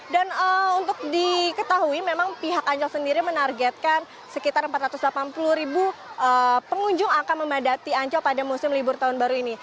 dan untuk diketahui memang pihak ancel sendiri menargetkan sekitar empat ratus delapan puluh ribu pengunjung akan memadati ancel pada musim libur tahun baru ini